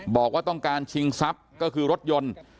บอกว่าต้องการชิงทรัพย์ก็คือรถยนต์